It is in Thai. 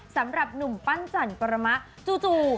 สำหรับหนุ่มปั้นจันปรมะจู่